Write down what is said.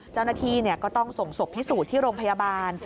เจ้าหน้าที่ก็ต้องส่งศพพิสูจน์ที่โรงพยาบาล